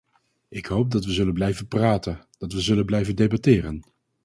Ik hoop dat we zullen blijven praten, dat we zullen blijven debatteren.